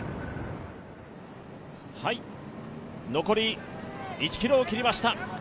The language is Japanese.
残り１ｋｍを切りました。